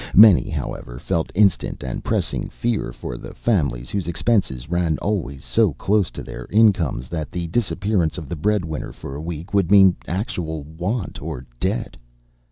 Many, however, felt instant and pressing fear for the families whose expenses ran always so close to their incomes that the disappearance of the breadwinner for a week would mean actual want or debt.